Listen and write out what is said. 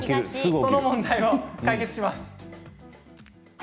その問題を解決します。